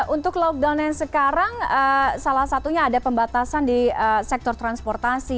untuk lockdown yang sekarang salah satunya ada pembatasan di sektor transportasi